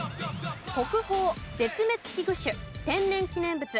国宝絶滅危惧種天然記念物